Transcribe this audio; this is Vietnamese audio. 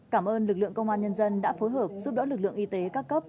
cảm ơn lực lượng công an nhân dân đã phối hợp giúp đỡ lực lượng y tế các cấp